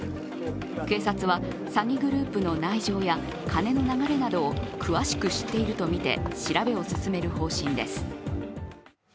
警察は詐欺グループの内情やカネの流れなどを詳しく知っているとみて調べを進める方針です。